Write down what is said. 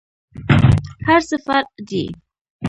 هرڅه فرع دي.